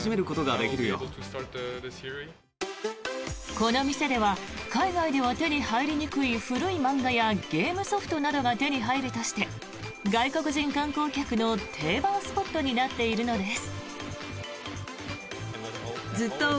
この店では海外では手に入りにくい古い漫画やゲームソフトが手に入るとして外国人観光客の定番スポットになっているのです。